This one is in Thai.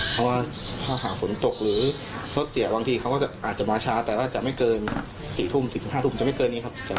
เพราะว่าถ้าหากฝนตกหรือรถเสียบางทีเขาก็อาจจะมาช้าแต่ว่าจะไม่เกิน๔ทุ่มถึง๕ทุ่มจะไม่เกินนี้ครับ